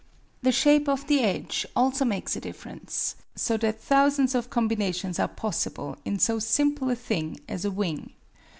The shape of the edge also makes a difference, so that thousands of combinations are possible in so simple a thing as a wing.